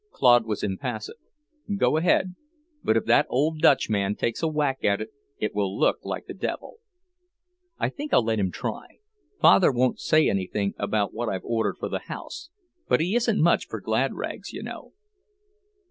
Claude was impassive. "Go ahead. But if that old Dutch man takes a whack at it, it will look like the devil." "I think I'll let him try. Father won't say anything about what I've ordered for the house, but he isn't much for glad rags, you know."